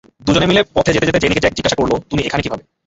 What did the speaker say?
দুজনে মিলে পথে যেতে যেতে জেনিকে জ্যাক জিজ্ঞাসা করল তুমি এখানে কীভাবে।